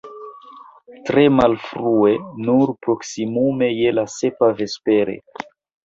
Tre malfrue, nur proksimume je la sepa vespere.